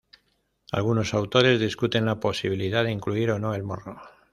Algunos autores discuten la posibilidad de incluir o no, el morro.